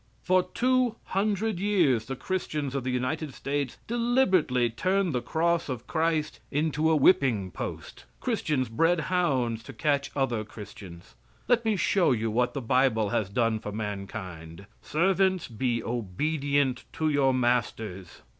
For two hundred years the Christians of the United States deliberately turned the cross of Christ into a whipping post. Christians bred hounds to catch other Christians. Let me show you what the Bible has done for mankind: "Servants, be obedient to your masters."